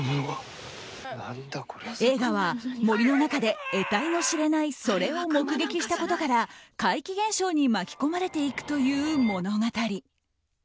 映画は森の中で得体の知れない“それ”を目撃したことから怪奇現象に巻き込まれていくという物語。